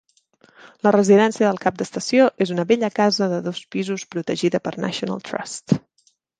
La residència del cap d'estació és una bella casa de dos pisos protegida per National Trust.